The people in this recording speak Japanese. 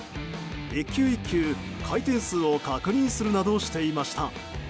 １球１球回転数を確認するなどしていました。